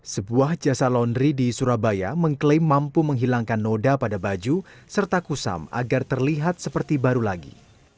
sebuah jasa laundry di surabaya mengklaim mampu menghilangkan noda pada baju serta kusam agar terlihat seperti baru lagi